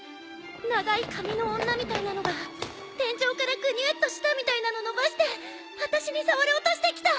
長い髪の女みたいなのが天井からぐにゅーっと舌みたいなの伸ばしてあたしに触ろうとしてきた！